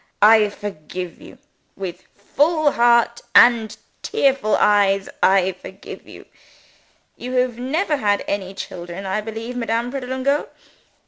I forgive you. With full heart and tearful eyes, I forgive you. (You have never had any children, I believe, Madame Pratolungo?